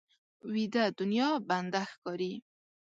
ویده دنیا بنده ښکاري